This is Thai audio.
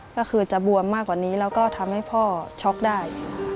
ก็คือจะบวมมากกว่านี้แล้วก็ทำให้พ่อช็อกได้